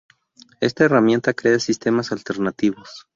esta herramienta crea sistemas alternativos